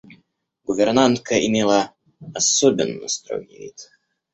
Гувернантка имела особенно строгий вид.